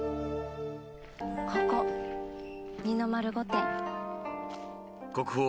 ここ二の丸御殿。